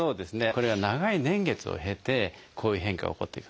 これは長い年月を経てこういう変化が起こっている。